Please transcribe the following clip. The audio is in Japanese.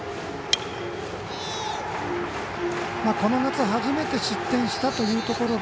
この夏、初めて失点したということで